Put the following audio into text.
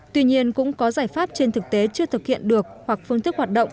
tuy nhiên cũng có giải pháp trên thực tế chưa thực hiện được hoặc phương thức hoạt động